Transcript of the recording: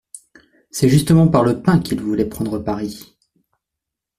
C'était justement par le pain qu'il voulait prendre Paris.